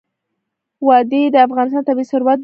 وادي د افغانستان طبعي ثروت دی.